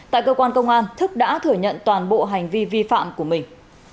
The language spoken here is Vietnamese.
tại cơ quan công an thức đã thừa nhận toàn bộ hành vi vi phạm của mình